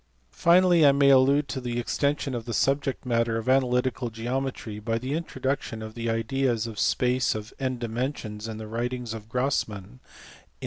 Finally I may allude to the extension of the subject matter of analytical geometry by the introduction of the ideas of | space of n dimensions in the writings of Grassmann (see above, p.